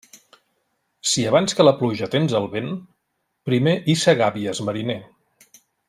Si abans que la pluja tens el vent, primer hissa gàbies, mariner.